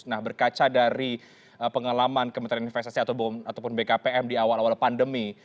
nah berkaca dari pengalaman kementerian investasi ataupun bkpm di awal awal pandemi